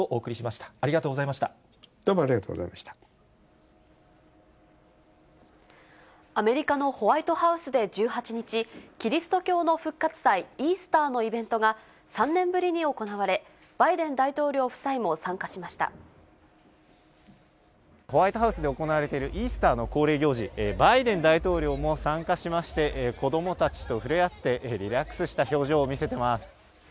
どうもありがとうございましアメリカのホワイトハウスで１８日、キリスト教の復活祭、イースターのイベントが３年ぶりに行われ、バイデン大統領夫妻もホワイトハウスで行われているイースターの恒例行事、バイデン大統領も参加しまして、子どもたちと触れ合って、リラックスした表情を見せています。